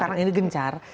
sekarang ini gencar